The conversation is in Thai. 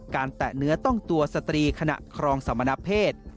แตะเนื้อต้องตัวสตรีขณะครองสมณเพศ